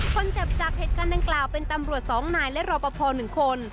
คนเจ็บจากเหตุการณ์ดังกล่าวเป็นตำรวจ๒นายและรอปภ๑คน